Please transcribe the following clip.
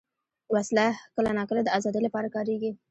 وسله کله ناکله د ازادۍ لپاره کارېږي